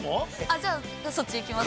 ◆じゃあ、そっち行きます。